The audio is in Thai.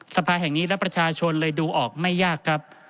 สภาแห่งนี้และประชาชนเลยดูออกไม่ยากครับ